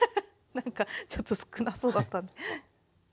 なんかちょっと少なそうだった。